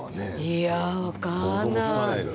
いや、分からない